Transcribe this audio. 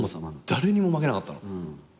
誰にも負けなかったの。